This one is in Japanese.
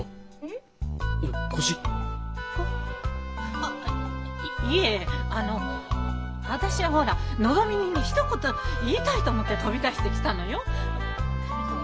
あっあっいえあの私はほらのぞみにねひと言言いたいと思って飛び出してきたのよ。